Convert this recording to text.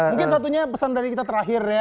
mungkin satunya pesan dari kita terakhir ya